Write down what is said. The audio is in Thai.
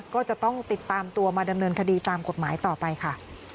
ก็จะต้องติดตามตัวมาดำเนินคดีตามกฎหมายต่อไปค่ะ